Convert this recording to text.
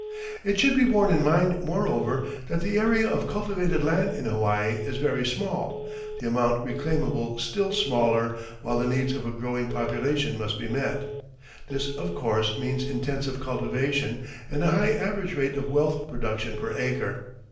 It should be borne in mind, moreover, that the area of cultivated land in Hawaii is very small, the amount reclaimable still smaller, while the needs of a growing population must be met. This, of course, means intensive cultivation and a high average rate of wealth production per acre.